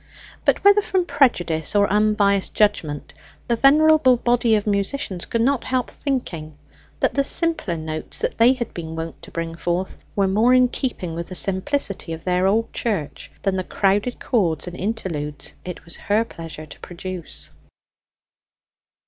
But, whether from prejudice or unbiassed judgment, the venerable body of musicians could not help thinking that the simpler notes they had been wont to bring forth were more in keeping with the simplicity of their old church than the crowded chords and interludes it was her pleasure to produce.